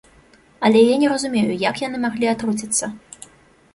Але я не разумею, як яны маглі атруціцца?